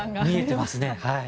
見えていますね。